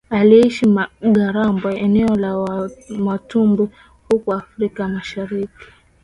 Aliishi Ngarambe eneo la Wamatumbi huko Afrika Mashariki